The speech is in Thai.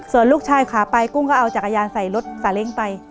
ส่วนลูกชายขาไปกุ้งก็เอาจักรยานใส่รถสาเล้งไป